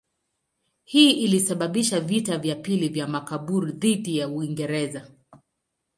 Hii ilisababisha vita vya pili vya Makaburu dhidi ya Uingereza.